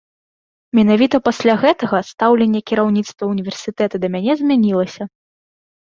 Менавіта пасля гэтага стаўленне кіраўніцтва універсітэта да мяне змянілася.